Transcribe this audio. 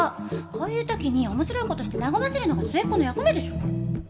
こういう時に面白い事して和ませるのが末っ子の役目でしょ！